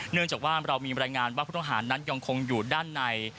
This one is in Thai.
เนื่องจากว่าเรามีบรรยายงานว่าผู้ต้องหานั้นยังคงอยู่ด้านใน